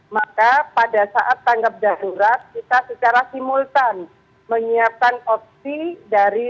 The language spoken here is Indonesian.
maka pada saat tanggap darurat kita secara simultan menyiapkan opsi dari